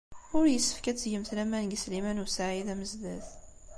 Ur yessefk ad tgemt laman deg Sliman u Saɛid Amezdat.